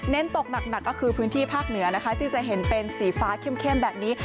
ตกหนักก็คือพื้นที่ภาคเหนือนะคะที่จะเห็นเป็นสีฟ้าเข้มแบบนี้